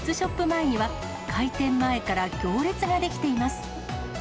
前には、開店前から行列が出来ています。